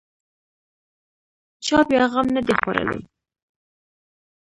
چا بیا غم نه دی خوړلی.